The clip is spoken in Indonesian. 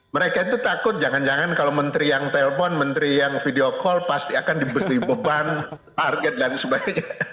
mereka itu takut jangan jangan kalau menteri yang telpon menteri yang video call pasti akan diberi beban target dan sebagainya